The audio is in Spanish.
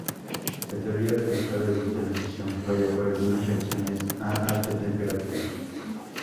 La teoría del estado de transición falla para algunas reacciones a alta temperatura.